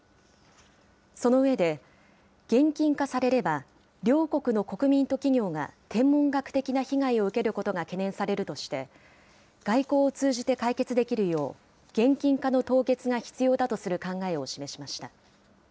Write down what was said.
その上で、現金化されれば、両国の国民と企業が天文学的な被害を受けることが懸念されるとして、外交を通じて解決できるよう、現金化の凍結が必要だとする考えを示しました。